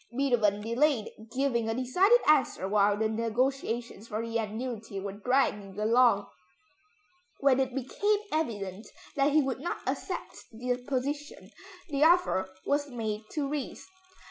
Beethoven delayed giving a decided answer while the negotiations for the annuity were dragging along. When it became evident that he would not accept the position, the offer was made to Ries.